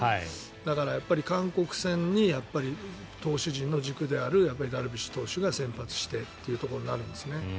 だから韓国戦に投手陣の軸であるダルビッシュ投手が先発してというところになるんですかね。